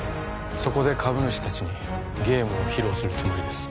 そこで株主達にゲームを披露するつもりです